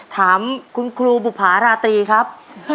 ถามคุณครูบุภาราตรีครับ